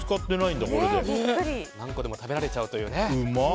何個でも食べられちゃうという。